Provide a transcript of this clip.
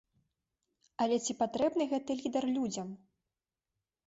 Але ці патрэбны гэты лідэр людзям?